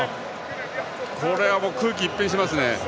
これは空気が一変しますね。